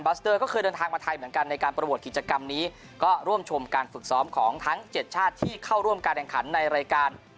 สเตอร์ก็เคยเดินทางมาไทยเหมือนกันในการประกวดกิจกรรมนี้ก็ร่วมชมการฝึกซ้อมของทั้ง๗ชาติที่เข้าร่วมการแข่งขันในรายการ